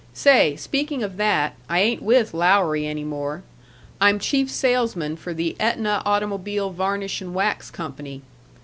Say, speaking of that, I ain't with Lowry any more; I'm chief salesman for the Ætna Automobile Varnish and Wax Company.